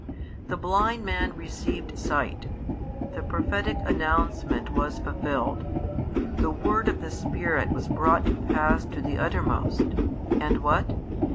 The blind man received sight, the prophetic announcement was fulfilled, the word of the Spirit was brought to pass to the uttermost, and what?